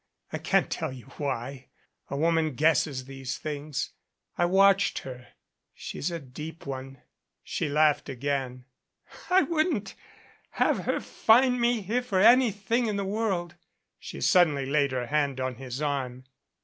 I can't tell you why a woman guesses these things. I watched her. She's a deep one." She laughed again. "I wouldn't have her find me here for anything in the world." She suddenly laid her hand on his arm.